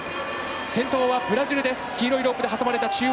先頭はブラジルです。